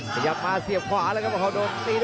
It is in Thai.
กรับได้ขวาทีกออกได้